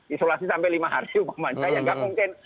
isolasi sampai lima hari umpamanya ya nggak mungkin